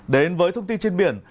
đến với thông tin trên biển